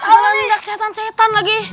susahkan gak sehatan sehatan lagi